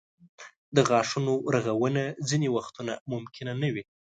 د غاښونو رغونه ځینې وختونه ممکنه نه وي.